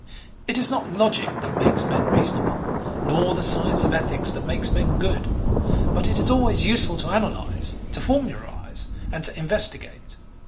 It is not logic that makes men reasonable, nor the science of ethics that makes men good, but it is always useful to analyse, to formularise and to investigate.